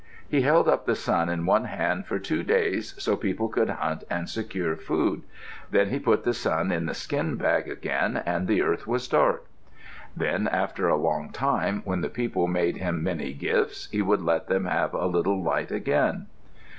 He held up the sun in one hand for two days so people could hunt and secure food. Then he put the sun in the skin bag again and the earth was dark. Then, after a long time, when the people made him many gifts, he would let them have a little light again.